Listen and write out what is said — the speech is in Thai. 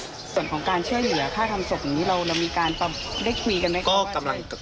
ส่วนของการช่วยเหลือค่าทำศพอย่างนี้เรามีการได้คุยกันไหมครับ